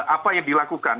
apa yang dilakukan